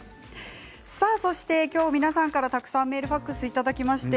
今日、皆さんからたくさんメールファックスをいただきました。